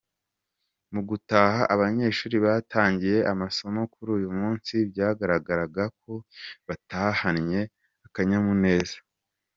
Mu gutaha abanyeshuri batangiye amasomo kuri uyu munsi byagaragaraga ko batahanye akanyamuneza.